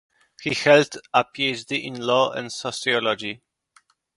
He held a PhD in law and sociology.